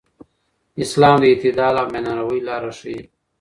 اسلام د اعتدال او میانه روی لاره ښيي.